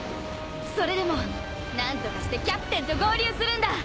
それでも何とかしてキャプテンと合流するんだ。